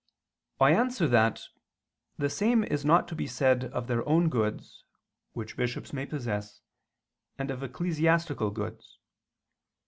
I answer that, The same is not to be said of their own goods which bishops may possess, and of ecclesiastical goods.